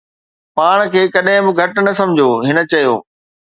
”پاڻ کي ڪڏهن به گهٽ نه سمجهو،“ هن چيو